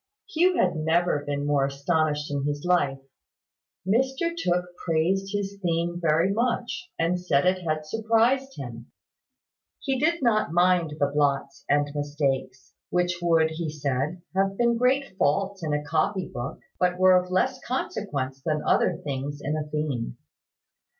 Hugh had never been more astonished in his life. Mr Tooke praised his theme very much, and said it had surprised him. He did not mind the blots and mistakes, which would, he said, have been great faults in a copy book, but were of less consequence than other things in a theme.